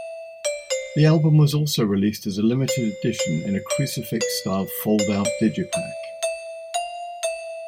The album was also released as a limited edition in a crucifix-style fold-out digipak.